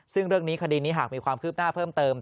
ซึ่งเรื่องนี้คดีนี้หากมีความคืบหน้าเพิ่มเติม